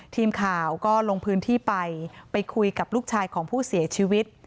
ทีมข่าวก็ลงพื้นที่ไปไปคุยกับลูกชายของผู้เสียชีวิต